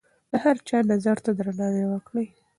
د هر چا نظر ته درناوی وکړئ.